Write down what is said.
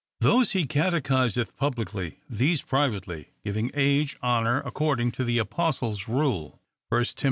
Those he catechiseth publicly ; these privately, giving age honor, according to the apostle's rule (1 Tim.